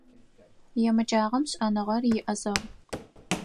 Емыджагъэм шӏэныгъэр иӏэзэгъу.